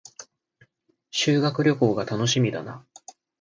修学旅行が楽しみだな